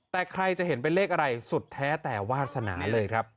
แต่ใครจะเห็นเป็นเลขอะไรสุดแท้แต่วาสนาเลยครับ